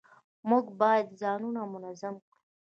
موږ باید ځانونه منظم کړو